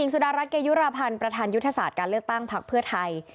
สุดารัฐเกยุราพันธ์ประธานยุทธศาสตร์การเลือกตั้งพักเพื่อไทย